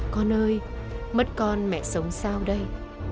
con ơi mất con mẹ sống sao đây